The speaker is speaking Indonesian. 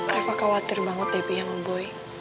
reva khawatir banget deh pi sama boy